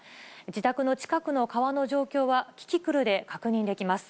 自宅の近くの川の状況はキキクルで確認できます。